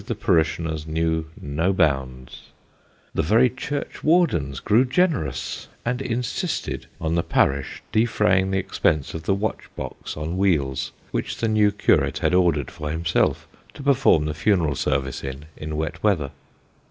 the parishioners knew no bounds the very churchwardens grew generous, and insisted on the parish defraying the expense of the watch box on wheels, which the new curate had ordered for himself, to perform the funeral service in, in wet weather.